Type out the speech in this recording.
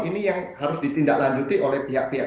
ini yang harus ditindaklanjuti oleh pihak pihak